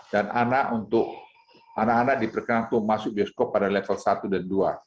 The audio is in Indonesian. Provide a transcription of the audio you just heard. dan anak untuk anak anak diperkenalku masuk bioskop pada level satu dan dua